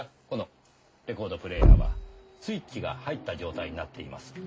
このレコードプレーヤーはスイッチが入った状態になっています。